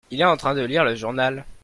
il est en train de lire le journal.